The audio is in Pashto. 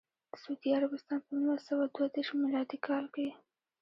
سعودي عربستان په نولس سوه دوه دیرش میلادي کال کې.